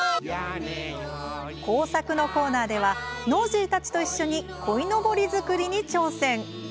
工作のコーナーではノージーたちと一緒にこいのぼり作りに挑戦。